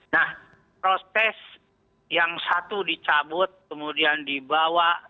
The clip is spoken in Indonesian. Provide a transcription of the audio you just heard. nah proses yang satu dicabut kemudian dibawa